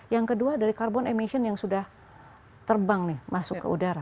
yang kedua dari carbon emission yang sudah terbang nih masuk ke udara